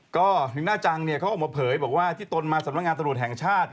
ก็ลีน่าจังเขามาเผยบอกว่าที่ต้นมาสำนักงานสำหรับตำรวจแห่งชาติ